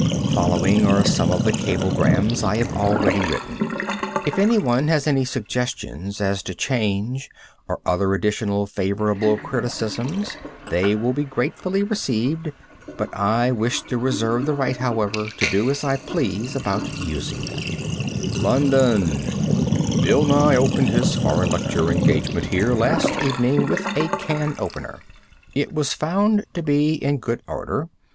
Following are some of the cablegrams I have already written. If any one has any suggestions as to change, or other additional favorable criticisms, they will be gratefully received; but I wish to reserve the right, however, to do as I please about using them: LONDON, ,, Bill Nye opened his foreign lecture engagement here last evening with a can opener. It was found to be in good order.